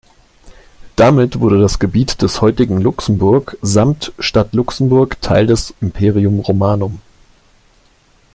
Damit wurde das Gebiet des heutigen Luxemburg samt Stadt Luxemburg Teil des Imperium Romanum.